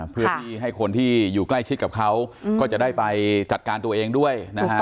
เพื่อที่ให้คนที่อยู่ใกล้ชิดกับเขาก็จะได้ไปจัดการตัวเองด้วยนะฮะ